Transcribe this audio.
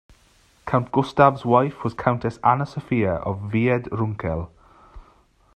Count Gustav's wife was Countess Anna Sofia of Wied-Runkel.